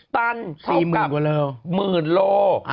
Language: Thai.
๑๐ตันเท่ากับหมื่นโล